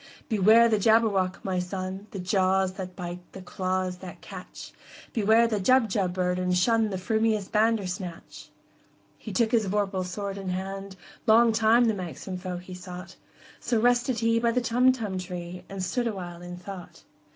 "Beware the Jabberwock, my son! The jaws that bite, the claws that catch! Beware the Jubjub bird, and shunThe frumious Bandersnatch!"He took his vorpal sword in hand:Long time the manxome foe he sought—So rested he by the Tumtum tree, And stood awhile in thought.